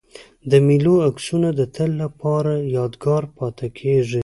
د مېلو عکسونه د تل له پاره یادګار پاته کېږي.